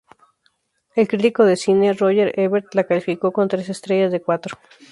El crítico de cine Roger Ebert la calificó con tres estrellas de cuatro.